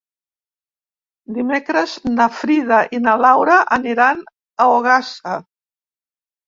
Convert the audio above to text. Dimecres na Frida i na Laura aniran a Ogassa.